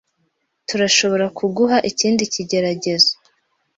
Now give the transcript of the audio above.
Turashobora kuguha ikindi kigeragezo.